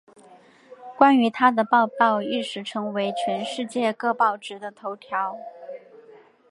关于她的报道一时成为全世界各报纸的头条。